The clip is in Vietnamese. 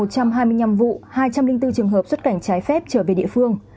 một trăm hai mươi năm vụ hai trăm linh bốn trường hợp xuất cảnh trái phép trở về địa phương